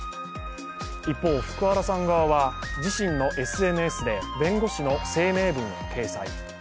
一方、福原さん側は自身のＳＮＳで弁護士の声明文を掲載。